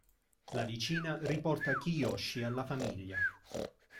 La vicina riporta Kiyoshi alla famiglia.